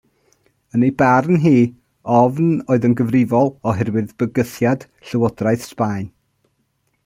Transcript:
Yn ei barn hi, ofn oedd yn gyfrifol, oherwydd bygythiad Llywodraeth Sbaen.